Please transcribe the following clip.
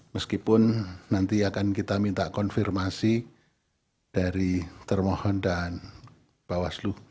meskipun nanti akan kita minta konfirmasi dari termohon dan bawaslu